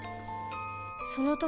その時